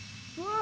あ。